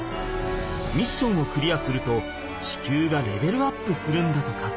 ミッションをクリアすると地球がレベルアップするんだとか。